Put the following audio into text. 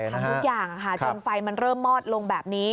ทำทุกอย่างจนไฟมันเริ่มมอดลงแบบนี้